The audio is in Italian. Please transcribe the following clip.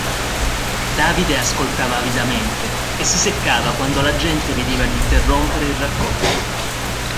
Davide ascoltava avidamente, e si seccava quando la gente veniva ad interrompere il racconto.